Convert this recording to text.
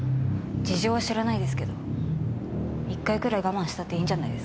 事情は知らないですけど一回ぐらい我慢したっていいんじゃないですか？